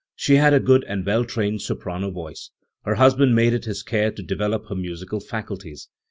She had a good and well trained soprano voice. Her husband made it Ms care to develop her musical faculties.